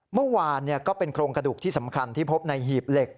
เมื่อวานก็เป็นโครงกระดูกที่สำคัญที่พบในหีบเหล็ก